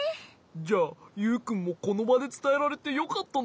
じゃあユウくんもこのばでつたえられてよかったね。